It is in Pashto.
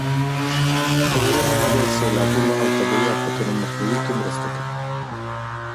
غرونه د سیلابونو او طبیعي افتونو مخنیوي کې مرسته کوي.